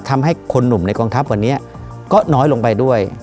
ทำให้คนหนุ่มในกองทัพวันนี้ก็น้อยลงไปด้วย